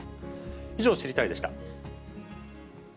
以上、知りたいッ！でした。